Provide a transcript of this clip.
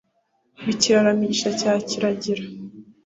b'i kirara migisha cya kiragira.